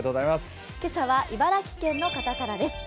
今朝は茨城県の方からです。